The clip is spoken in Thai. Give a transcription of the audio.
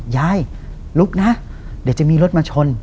ยายลุกนะเดี๋ยวจะมีรถมาชน